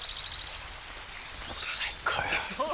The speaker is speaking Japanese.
最高よ。